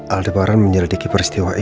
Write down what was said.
aldebaran menyelidiki peristiwa ini